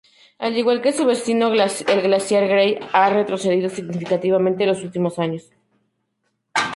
Al igual que su vecino, el glaciar Grey, ha retrocedido significativamente los últimos años.